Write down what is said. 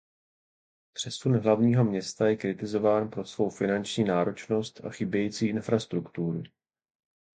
Přesun hlavního města je kritizován pro svou finanční náročnost a chybějící infrastrukturu.